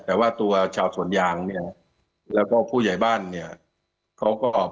แต่ว่าตัวชาวสวนยางเนี่ยแล้วก็ผู้ใหญ่บ้านเนี่ยเขาก็ออก